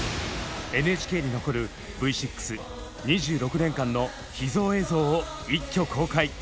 ＮＨＫに残るＶ６２６年間の秘蔵映像を一挙公開。